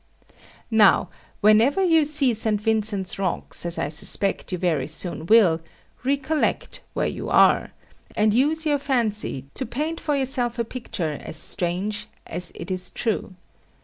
Now, whenever you see St. Vincent's Rocks, as I suspect you very soon will, recollect where you are, and use your fancy, to paint for yourself a picture as strange as it is true.